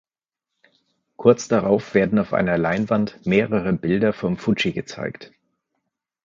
Kurz darauf werden auf einer Leinwand mehrere Bilder vom Fuji gezeigt.